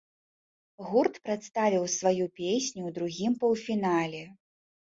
Гурт прадставіў сваю песню ў другім паўфінале.